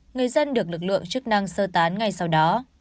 người dân được lực lượng chức năng sơ tán ngay sau đó